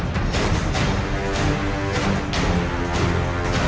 สถานการณ์ข้อมูล